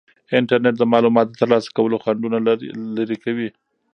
انټرنیټ د معلوماتو د ترلاسه کولو خنډونه لرې کوي.